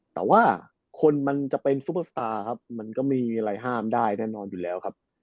แต่ว่าคนมันจะเป็นซุปเปอร์สตาร์ครับมันก็ไม่มีอะไรห้ามได้แน่นอนอยู่แล้วครับ